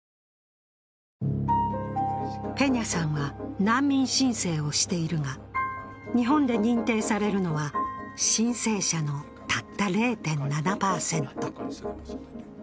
ペニャさんは難民申請をしているが、日本で認定されるのは申請者のたった０．７％。